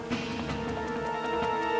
tidak ada apa apa